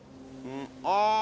ああ！